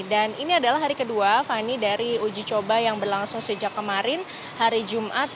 dan ini adalah hari kedua fani dari uji coba yang berlangsung sejak kemarin hari jumat